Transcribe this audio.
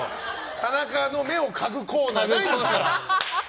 田中の目を嗅ぐコーナーないですから。